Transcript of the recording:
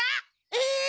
え！